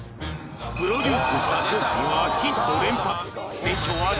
プロデュースした商品はヒット連発！